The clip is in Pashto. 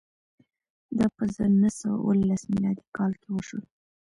دا په زر نه سوه اوولس میلادي کال کې وشول.